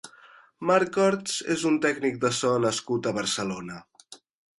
Marc Orts és un tècnic de so nascut a Barcelona.